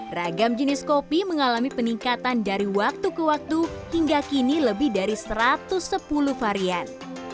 ragam jenis kopi mengalami peningkatan dari waktu ke waktu hingga kini lebih dari satu ratus sepuluh varian